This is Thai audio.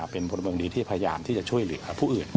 เป็นพลเมืองดีที่พยายามที่จะช่วยเหลือผู้อื่น